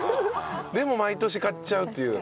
でも毎年買っちゃうという。